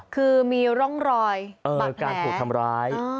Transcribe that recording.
คือมีร่องรอยเหมือนการถูกทำร้าย